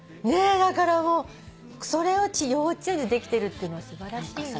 だからもうそれを幼稚園でできてるってのは素晴らしいね。